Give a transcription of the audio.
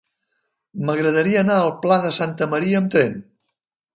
M'agradaria anar al Pla de Santa Maria amb tren.